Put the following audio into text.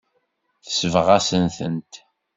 Tesbeɣ-asen-tent.